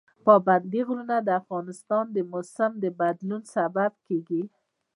پابندي غرونه د افغانستان د موسم د بدلون سبب کېږي.